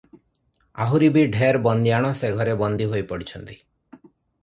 ଆହୁରି ବି ଢେର ବନ୍ଦିଆଣ ସେ ଘରେ ବନ୍ଦୀ ହୋଇ ପଡିଛନ୍ତି ।